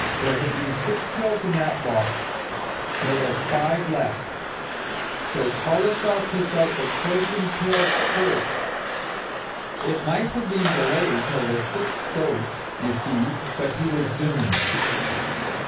There had been six pills in that box there were five left. So Collishaw picked out the poisoned pill first! It might have been delayed till the sixth dose, you see but he was doomed."